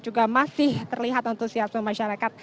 juga masih terlihat untuk siasat masyarakat